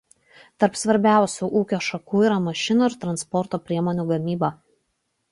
Tarp svarbiausių ūkio šakų yra mašinų ir transporto priemonių gamyba.